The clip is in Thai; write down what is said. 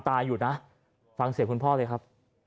ก็ได้พลังเท่าไหร่ครับ